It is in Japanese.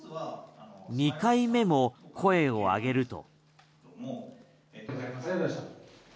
２回目も声を上げると。